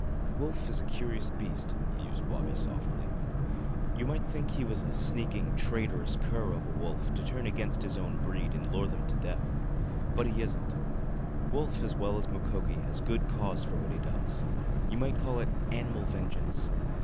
"Wolf is a curious beast," mused Wabi softly. "You might think he was a sneaking, traitorous cur of a wolf to turn against his own breed and lure them to death. But he isn't. Wolf, as well as Mukoki, has good cause for what he does. You might call it animal vengeance.